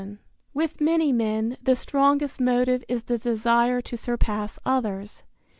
With many men the strongest motive is the desire to surpass others.